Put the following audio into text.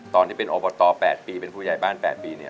ตอนที่เป็นอบท๘ปีเป็นผู้ยายบ้าน๘ปี